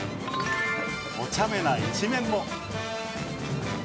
おちゃめな一面も。